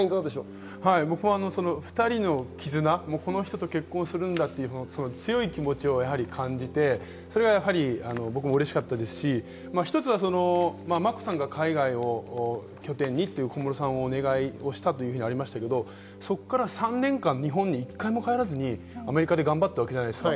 ２人の絆、この人と結婚するんだという強い気持ちを感じて僕もうれしかったですし、一つは眞子さんが海外を拠点にと小室さんにお願いしたとありましたが、そこから３年間日本に１回も帰らずアメリカで頑張ったわけじゃないですか。